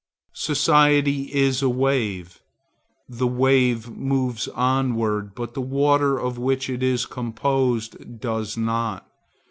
Society is a wave. The wave moves onward, but the water of which it is composed does not.